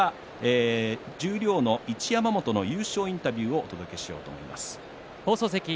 十両の一山本の優勝インタビューをお届けしようと思います。